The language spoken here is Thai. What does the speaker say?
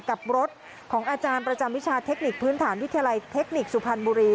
กับรถของอาจารย์ประจำวิชาเทคนิคพื้นฐานวิทยาลัยเทคนิคสุพรรณบุรี